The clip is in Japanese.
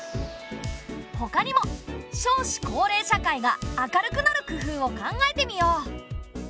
ほかにも少子高齢社会が明るくなる工夫を考えてみよう。